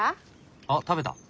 あっ食べた。